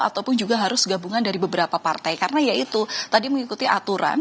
ataupun juga harus gabungan dari beberapa partai karena ya itu tadi mengikuti aturan